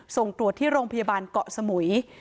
ส่งตรวจที่โรงพยาบาลเกาะสมุย